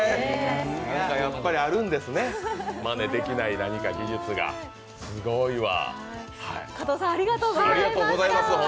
やっぱりあるんですね、まねできない何か技術が、すごいわ。